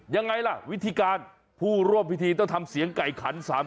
ยังไงล่ะวิธีการผู้ร่วมพิธีต้องทำเสียงไก่ขัน๓๐